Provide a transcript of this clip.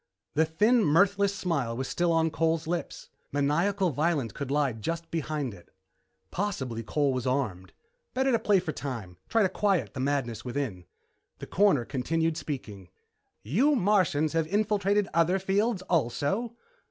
The thin, mirthless smile was still on Cole's lips. Maniacal violence could lie just behind it. Possibly Cole was armed. Better to play for time try to quiet the madness within. The Coroner continued speaking. "You Martians have infiltrated other fields also?"